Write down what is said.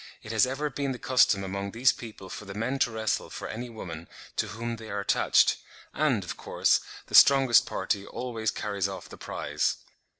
says:—"It has ever been the custom among these people for the men to wrestle for any woman to whom they are attached; and, of course, the strongest party always carries off the prize.